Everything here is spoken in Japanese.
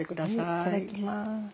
はいいただきます。